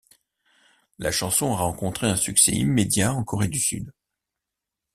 La chanson a rencontré un succès immédiat en Corée du Sud.